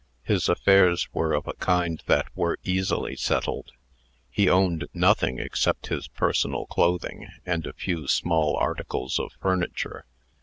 His affairs were of a kind that were easily settled. He owned nothing except his personal clothing, and a few small articles of furniture.